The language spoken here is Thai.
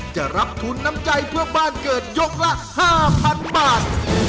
จะรับทุนน้ำใจเพื่อบ้านเกิดยกละ๕๐๐๐บาท